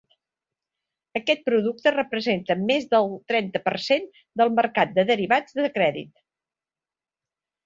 Aquest producte representa més del trenta per cent del mercat de derivats de crèdit.